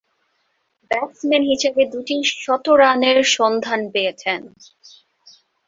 Batsman হিসেবে দুইটি শতরানের সন্ধান পেয়েছেন।